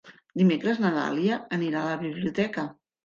Dimecres na Dàlia anirà a la biblioteca.